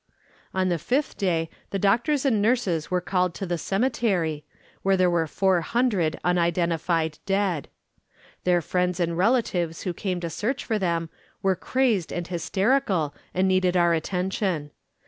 On the fifth day the doctors and nurses were called to the cemetery, where there were four hundred unidentified dead. Their friends and relatives who came to search for them were crazed and hysterical and needed our attention.